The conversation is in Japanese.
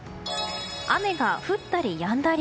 雨が降ったりやんだり。